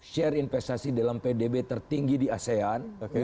share investasi dalam pdb tertinggi di asean